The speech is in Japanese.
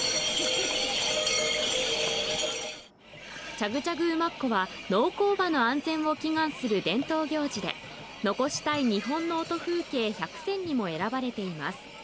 チャグチャグ馬コは農耕馬の安全を祈願する伝統行事で、残したい日本の音風景１００選にも選ばれています。